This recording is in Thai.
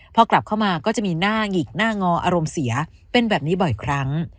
พอกลับเข้ามาก็จะมีหน้าหงิกหน้างออารมณ์เสียเป็นแบบนี้บ่อยครั้ง